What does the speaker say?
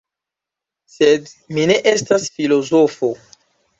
Sed mi ne estas filozofo.